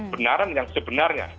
benaran yang sebenarnya